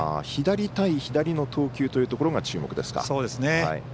左対左の投球というところが注目ですか。